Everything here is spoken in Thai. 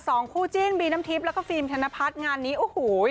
คู่จิ้นบีน้ำทิพย์แล้วก็ฟิล์มธนพัฒน์งานนี้โอ้โห